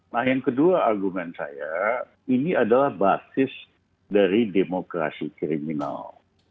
nah yang kedua argumen saya ini adalah basis dari demokrasi kriminal